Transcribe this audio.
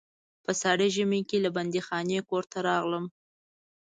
په ساړه ژمي کې له بندیخانې کور ته راغلم.